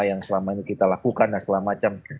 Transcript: yang selama ini kita lakukan dan segala macam